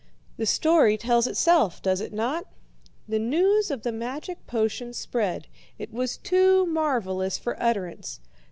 "The story tells itself, does it not? The news of the magic potion spread. It was too marvellous for utterance.